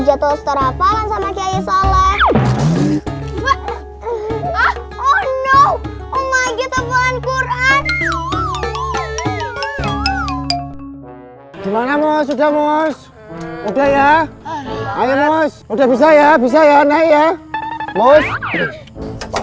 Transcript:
jatuh setor hapalan sama kaya sholloh ah oh no oh my god hapalan quran